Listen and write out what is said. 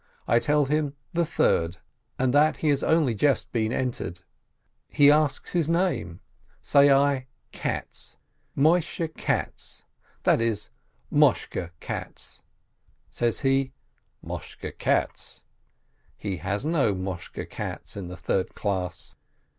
I tell him, the third, and he has only just been entered. He asks his name. Say I, "Katz, Moisheh Katz, that is, Moshke Katz." Says he, "Moshke Katz?" He has no Moshke Katz in the third class.